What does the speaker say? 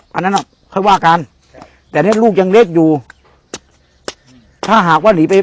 อันนั้นอ่ะค่อยว่ากันแต่เนี้ยลูกยังเล็กอยู่ถ้าหากว่าหนีไป